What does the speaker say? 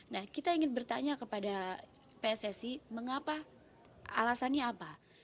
nah kita ingin bertanya kepada pssi mengapa alasannya apa